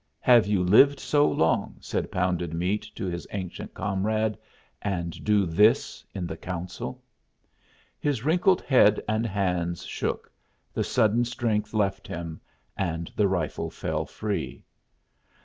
"Have you lived so long," said Pounded Meat to his ancient comrade, "and do this in the council?" His wrinkled head and hands shook, the sudden strength left him, and the rifle fell free.